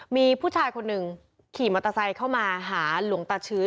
มีผู้ชายคนหนึ่งขี่มอเตอร์ไซค์เข้ามาหาหลวงตาชื้น